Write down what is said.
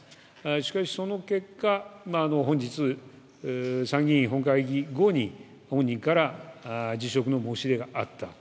しかし、その結果本日、参議院本会議後にご本人から辞職の申し出があった。